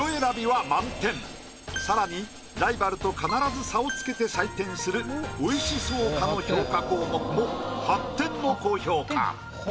更にライバルと必ず差をつけて採点する美味しそうかの評価項目も８点の高評価。